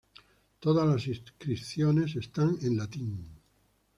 Todas las inscripciones están en latín.